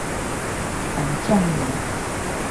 打醬油